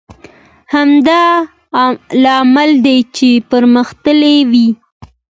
همدا لامل دی چې پرمختللی وي.